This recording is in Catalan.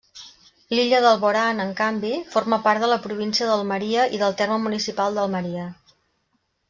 L'illa d'Alborán, en canvi, forma part de la província d'Almeria i del terme municipal d'Almeria.